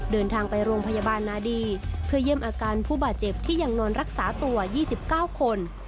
เดินทางไปโรงพยาบาลนาดีเพื่อเยี่ยมอาการผู้บาดเจ็บที่ยังนอนรักษาตัว๒๙คน